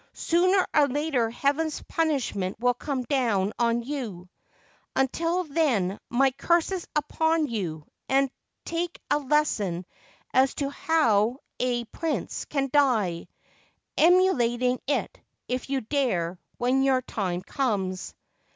Sooner or later Heaven's punishment will come down on you. Until then my curses upon you, and take a lesson as to how a 99 Ancient Tales and Folklore of Japan prince can die, emulating it, if you dare, when your time comes